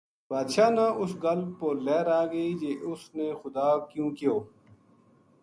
بادشاہ نا اس گل پو لہر آ گئی جی اس نے خدا کو کیو ں کہیو